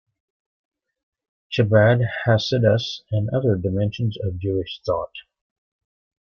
Chabad Hasidus and other dimensions of Jewish thought.